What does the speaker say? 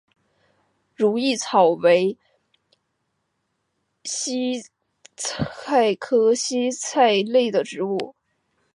如意草为堇菜科堇菜属的植物。